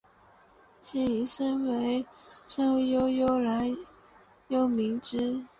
近年身为声优愈来愈知名。